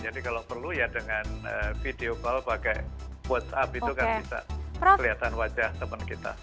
kalau perlu ya dengan video call pakai whatsapp itu kan bisa kelihatan wajah teman kita